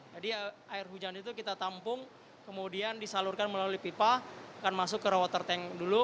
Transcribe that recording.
jadi air hujan itu kita tampung kemudian disalurkan melalui pipa akan masuk ke raw water tank dulu